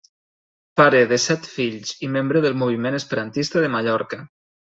Pare de set fills i membre del moviment Esperantista de Mallorca.